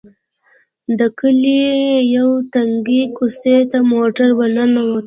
د کلي يوې تنګې کوڅې ته موټر ور ننوتلو.